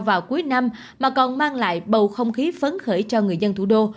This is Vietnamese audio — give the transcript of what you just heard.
vào cuối năm mà còn mang lại bầu không khí phấn khởi cho người dân thủ đô